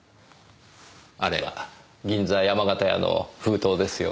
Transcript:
あれは銀座山形屋の封筒ですよね？